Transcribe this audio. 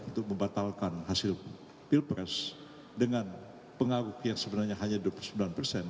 untuk membatalkan hasil pilpres dengan pengaruh yang sebenarnya hanya dua puluh sembilan persen